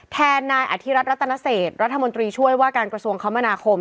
แทนนายอธิรัฐรัตนเศษรัฐมนตรีช่วยว่าการกระทรวงคมนาคม